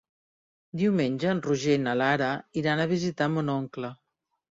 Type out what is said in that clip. Diumenge en Roger i na Lara iran a visitar mon oncle.